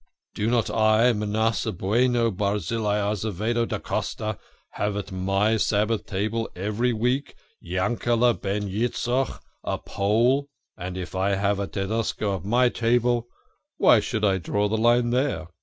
' Do not I, Manasseh Bueno Barzillai Aze vedo da Costa, have at my Sabbath table every week Yan kele ben Yitzchok a Pole? And if I have a Tedesco at my table, why should I draw the line there